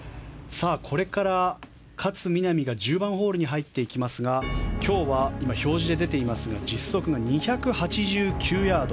これから勝みなみが１０番ホールに入っていきますが今日は今表示出てていますが実測が２８８ヤード。